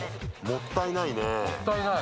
もったいない。